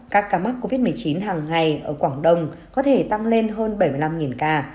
các ca mắc covid một mươi chín hàng ngày ở quảng đông có thể tăng lên hơn bảy mươi năm ca